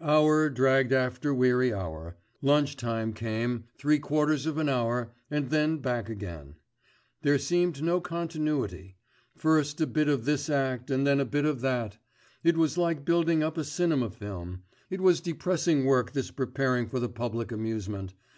Hour dragged after weary hour, lunch time came, three quarters of an hour, and then back again. There seemed no continuity. First a bit of this act then a bit of that: it was like building up a cinema film. It was depressing work this preparing for the public amusement.